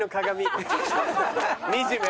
惨め。